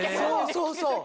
そうそう。